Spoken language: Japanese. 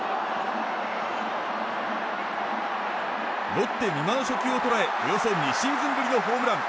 ロッテ、美馬の初球を捉えおよそ２シーズンぶりのホームラン。